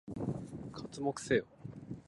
刮目せよ！